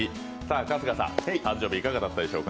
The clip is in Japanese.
春日さん、誕生日いかがだったでしょうか？